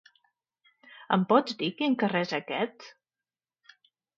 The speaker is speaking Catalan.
Em pots dir quin carrer es aquest?